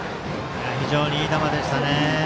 非常にいい球でしたね。